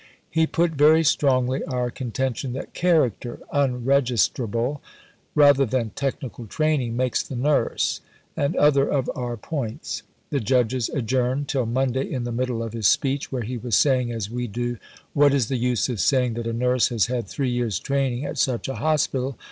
He put very strongly our contention that character, unregistrable, rather than technical training, makes the nurse, and other of our points. The Judges adjourned till Monday in the middle of his speech where he was saying as we do What is the use of saying that a Nurse has had 3 years' training at such a Hospital?